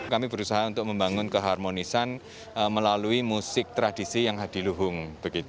kami berusaha untuk membangun keharmonisan melalui musik tradisi yang hadiluhung